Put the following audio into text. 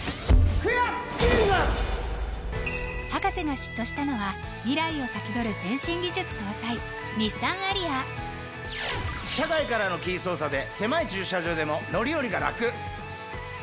博士が嫉妬したのは未来を先取る先進技術搭載日産アリア車外からのキー操作で狭い駐車場でも乗り降りがラク！